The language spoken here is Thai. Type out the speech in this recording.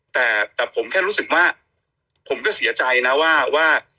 แต่แต่ผมแค่รู้สึกว่าผมก็เสียใจนะว่า